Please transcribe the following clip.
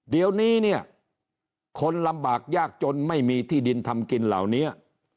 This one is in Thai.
เดี๋ยวนี้เนี่ยคนลำบากยากจนไม่มีที่ดินทำกินเหล่านี้